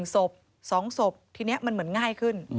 ศพ๒ศพทีนี้มันเหมือนง่ายขึ้น